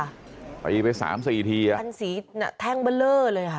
มันตายไป๓๔ทีแท่งเยอะเลยค่ะ